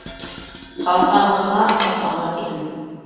Ҡасанғыға, ҡасанға тиклем